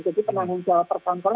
jadi penanggung jawab perkantor